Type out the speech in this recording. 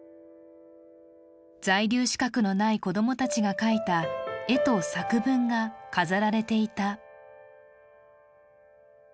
在留資格のない子供たちが書いた絵と作文が飾られていた。